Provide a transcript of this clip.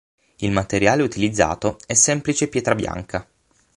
Il materiale utilizzato è semplice pietra bianca.